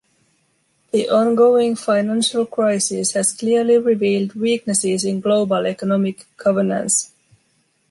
The ongoing financial crisis has clearly revealed weaknesses in global economic governance.